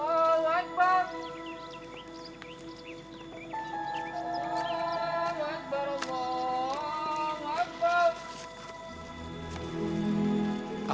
allahu akbar allahu akbar